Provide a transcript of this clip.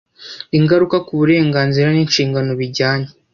ingaruka ku burenganzira n inshingano bijyanye